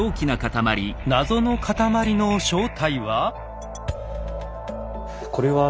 謎の塊の正体は？